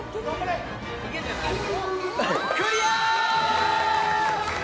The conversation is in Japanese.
クリア！